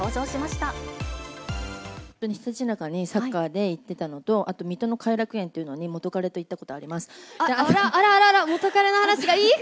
ひたちなかにサッカーで行ってたのと、あと水戸の偕楽園に元彼と行ったことあります。